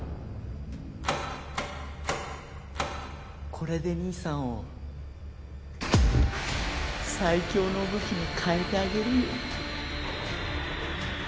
これで兄さんを最凶の武器に変えてあげるよ。